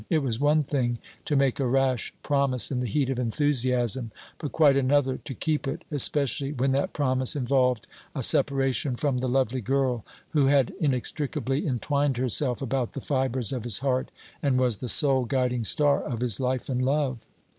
It was one thing to make a rash promise in the heat of enthusiasm, but quite another to keep it, especially when that promise involved a separation from the lovely girl who had inextricably entwined herself about the fibres of his heart and was the sole guiding star of his life and love.